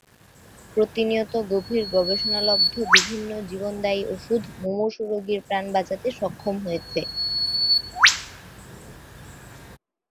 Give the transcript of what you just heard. প্রতিনিয়ত গভীর গবেষণালব্ধ বিভিন্ন জীবনদায়ী ওষুধ মুমূর্ষু রোগীর প্রাণ বাঁচাতে সক্ষম হয়েছে।